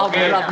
dari situs ini